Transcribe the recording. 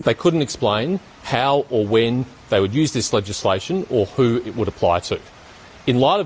tidak ada peningkatan peningkatan peningkatan peningkatan